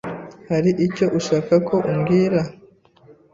Hari icyo ushaka ko mbwira ?